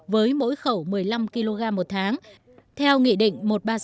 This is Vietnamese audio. với mỗi khẩu một mươi năm kg một tháng theo nghị định một trăm ba mươi sáu